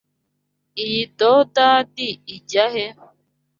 Iyi doodad ijya he?